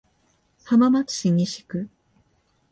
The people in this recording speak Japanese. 浜松市西区